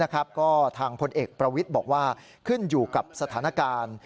ก็ทางพลเอกประวิทย์บอกว่าขึ้นอยู่กับสถานการณ์